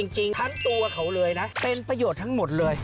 ทั้งตัวเขาเลยนะเป็นประโยชน์ทั้งหมดเลย